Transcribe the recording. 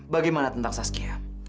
bagaimana tentang saskia